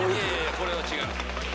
これは違います